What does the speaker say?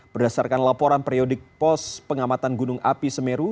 berdasarkan laporan periodik pos pengamatan gunung api semeru